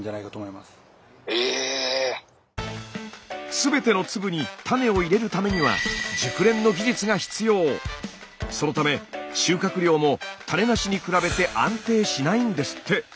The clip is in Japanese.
全ての粒に種を入れるためにはそのため収穫量も種なしに比べて安定しないんですって。